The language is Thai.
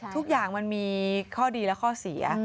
ทุกอย่างมันมีข้อดีและข้อเสีย